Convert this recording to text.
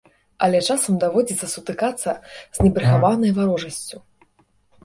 Але часам даводзіцца сутыкацца з непрыхаванай варожасцю.